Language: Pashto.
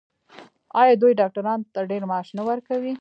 آیا دوی ډاکټرانو ته ډیر معاش نه ورکوي؟